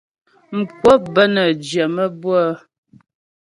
Mkwəp bə́ nə́ jyə̀ maə́bʉə́'ə.